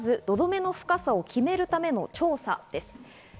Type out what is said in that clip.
まず土留めの深さを決めるための調査です。